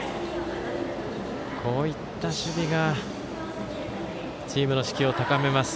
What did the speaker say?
こういった守備がチームの士気を高めます。